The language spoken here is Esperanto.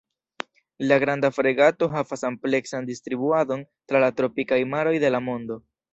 La Granda fregato havas ampleksan distribuadon tra la tropikaj maroj de la mondo.